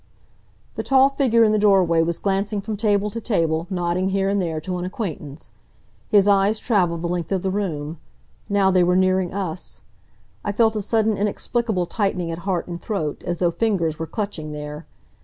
The tall figure in the doorway was glancing from table to table, nodding here and there to an acquaintance. His eyes traveled the length of the room. Now they were nearing us. I felt a sudden, inexplicable tightening at heart and throat, as though fingers were clutching there.